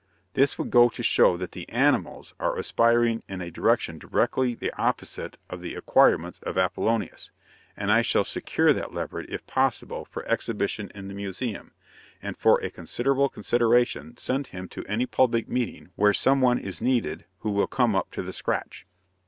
This would go to show that the "animals," are aspiring in a direction directly the opposite of the acquirements of Apollonius, and I shall secure that leopard, if possible, for exhibition in the Museum, and for a fair consideration send him to any public meeting where some one is needed who will come up to the scratch!